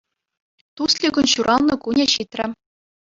Тусликӑн ҫуралнӑ кунӗ ҫитрӗ.